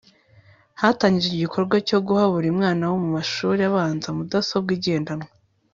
hatangijwe igikorwa cyo guha buri mwana wo mu mashuri abanza mudasobwa igendanwa